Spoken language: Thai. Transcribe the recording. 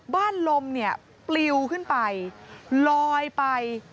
บ้านลมปลิวขึ้นไปลอยไป